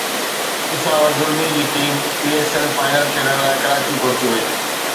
پشاور زلمي جي team P S L final کيڏڻ لاءِ ڪراچي پهچي وئي